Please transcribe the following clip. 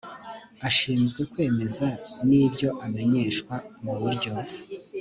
ashinzwe kwemeza n ibyo amenyeshwa mu buryo